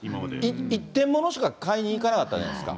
一点物しか買いに行かなかったじゃないですか。